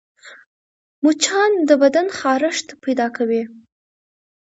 مچان د بدن خارښت پیدا کوي